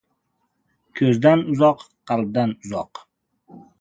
• Ko‘zdan uzoq ― qalbdan uzoq.